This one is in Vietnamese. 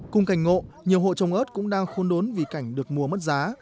cùng cảnh ngộ nhiều hộ trồng ớt cũng đang khôn đốn vì cảnh được mua mất giá